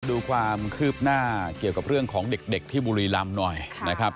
ดูความคืบหน้าเกี่ยวกับเรื่องของเด็กที่บุรีรำหน่อยนะครับ